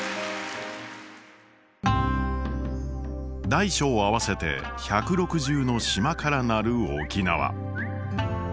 大小合わせて１６０の島からなる沖縄。